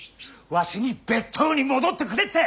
わしに別当に戻ってくれって！